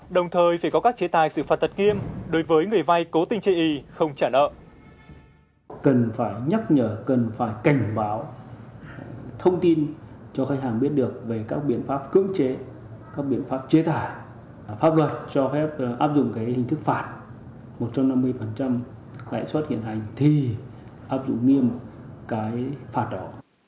đồng thời phải có các chế tài sự phạt tật nghiêm đối với người vay cố tình chế ý không trả nợ